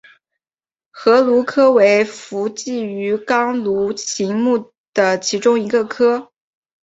河鲈科为辐鳍鱼纲鲈形目的其中一个科。